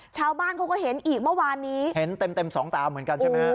ชาวบ้านเขาก็เห็นอีกเมื่อวานนี้เห็นเต็มเต็มสองตาเหมือนกันใช่ไหมฮะ